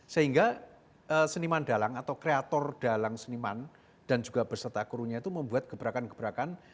sehingga seniman dalang atau kreator dalang seniman dan juga berserta krunya itu membuat gebrakan gebrakan